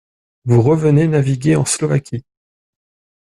Vous revenez naviguer en Slovaquie.